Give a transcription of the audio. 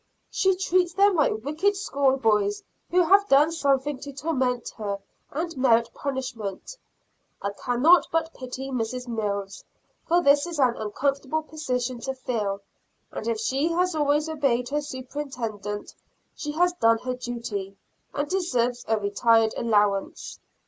She treats them like wicked school boys who have done something to torment her and merit punishment. I cannot but pity Mrs. Mills, for this is an uncomfortable position to fill, and if she has always obeyed her Superintendent, she has done her duty, and deserves a retired allowance.